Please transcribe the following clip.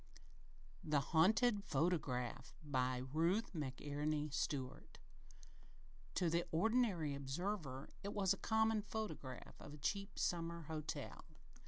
The Haunted Photograph BY RUTH McENERY STUART To the ordinary observer it was just a common photograph of a cheap summer hotel.